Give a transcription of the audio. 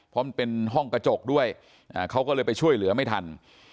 เพราะมันเป็นห้องกระจกด้วยเขาก็เลยไปช่วยเหลือไม่ทัน